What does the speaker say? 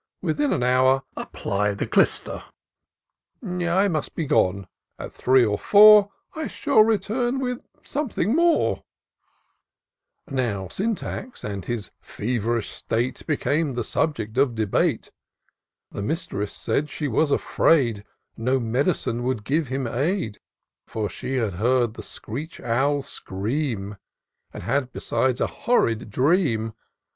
Within an hour apply the clyster. I must be gone ; at three or four, I shall return with something more.'' IN SEARCH OF THE PICTURESQUE. 103 Now Syntax and his fev'rish state ^ Became the subject of debate. The mistress said she was a&aid No medicine would give him aid ; For she had heard the screech owl scream, And had besides a horrid dream.